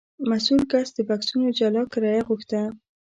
مسوول کس د بکسونو جلا کرایه غوښته.